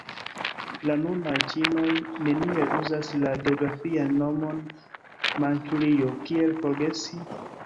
La nunaj ĉinoj neniel uzas la geografian nomon Manĉurio – kiel forgesi?